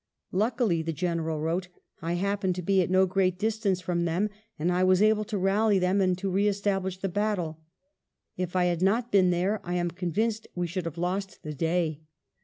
" Luckily," the General wrote, " I happened to be at no great distance from them, and I was able to rally them and re establish the battle. If I had not been there I am convinced we should have lost the day."